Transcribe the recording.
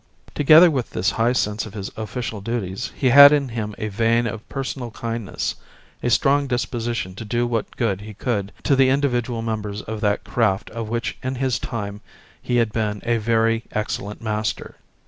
Together with this high sense of his official duties he had in him a vein of personal kindness, a strong disposition to do what good he could to the individual members of that craft of which in his time he had been a very excellent master.